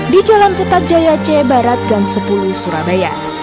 di jalan putar jaya c barat gang sepuluh surabaya